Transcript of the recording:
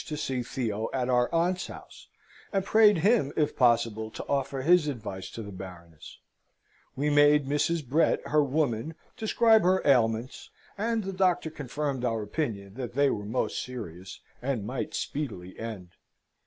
to see Theo at our aunt's house, and prayed him if possible to offer his advice to the Baroness: we made Mrs. Brett, her woman, describe her ailments, and the doctor confirmed our opinion that they were most serious, and might speedily end.